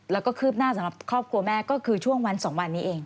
แล้วก็คืบหน้าสำหรับครอบครัวแม่ก็คือช่วงวัน๒วันนี้เอง